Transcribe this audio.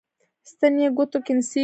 ستن یې ګوتو کې نڅیږي